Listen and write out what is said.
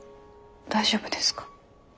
大丈夫ですか？